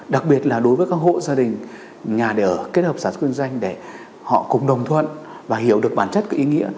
đặc biệt là đối với các hộ gia đình nhà để ở kết hợp sản xuất kinh doanh để họ cùng đồng thuận và hiểu được bản chất cái ý nghĩa